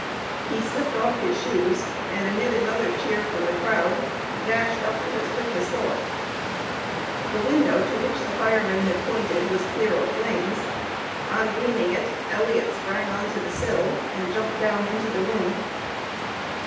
He slipped off his shoes, and amid another cheer from the crowd, dashed up it as quick as thought. The window to which the fireman had pointed was clear of flames. On gaining it, Elliot sprang on to the sill and jumped down into the room.